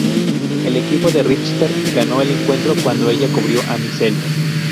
El equipo de Richter ganó el encuentro cuando ella cubrió a Miceli.